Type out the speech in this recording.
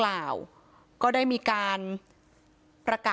มาดูบรรจากาศมาดูความเคลื่อนไหวที่บริเวณหน้าสูตรการค้า